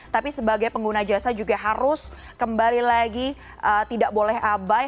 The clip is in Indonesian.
tapi sebagai pengguna jasa juga harus kembali lagi tidak boleh abai